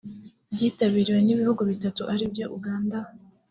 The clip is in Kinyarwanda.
ryitabiriwe n’ibihugu bitatu ari byo Uganda